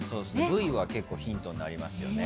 Ｖは結構ヒントになりますよね。